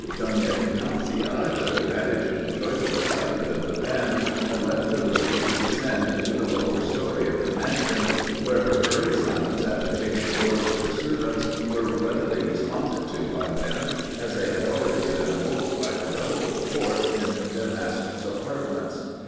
Donna Ignazia took advantage of the joyful excitement of the band, and left the room to descend into the lower story of the mansion, where her hurried summons at the chamber doors of the servants were readily responded to by them, as they had already been awoke by the double report in their master's apartments.